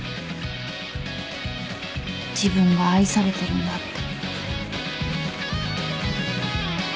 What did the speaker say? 自分が愛されてるんだって。